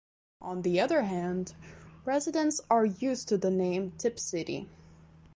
On the other hand, residents are used to the name Tipp City.